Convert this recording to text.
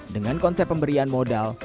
dengan konsep pemberian modal